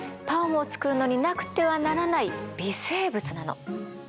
パンを作るのになくてはならない微生物なの。